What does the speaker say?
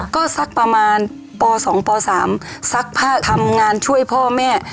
ก็สักประมาณป๒ป๓ซักผ้าทำงานช่วยพ่อแม่